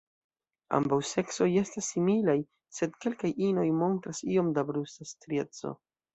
Ambaŭ seksoj estas similaj, sed kelkaj inoj montras iom da brusta strieco.